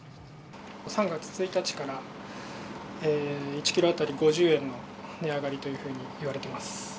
３月１日から１キロ当たり５０円の値上がりというふうにいわれています。